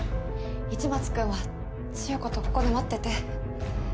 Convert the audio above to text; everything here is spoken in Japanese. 市松君は千世子とここで待ってて。